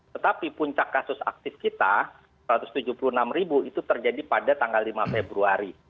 tetapi puncak kasus aktif kita satu ratus tujuh puluh enam ribu itu terjadi pada tanggal lima februari